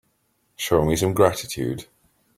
Show me some gratitude.